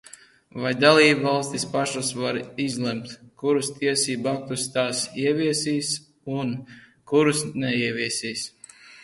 Vai dalībvalstis pašas var izlemt, kurus tiesību aktus tās ieviesīs un, kurus neieviesīs?